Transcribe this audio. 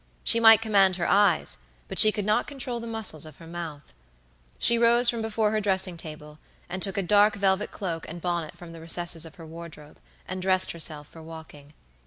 She might command her eyes, but she could not control the muscles of her mouth. She rose from before her dressing table, and took a dark velvet cloak and bonnet from the recesses of her wardrobe, and dressed herself for walking.